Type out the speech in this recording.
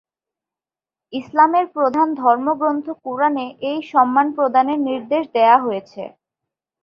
ইসলামের প্রধান ধর্মগ্রন্থ কুরআনে এই সম্মান প্রদানের নির্দেশ দেয়া হয়েছে।